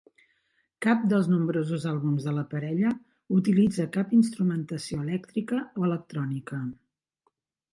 Cap dels nombrosos àlbums de la parella utilitza cap instrumentació elèctrica o electrònica.